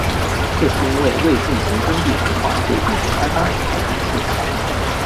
这是因为未进行耕地重划就进行开发所造成的现象。